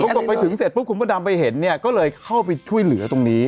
แล้วต่อไปถึงเมื่อที่พี่ดำเห็นเนี่ยก็เลยเข้าไปช่วยเหลือตรงนี้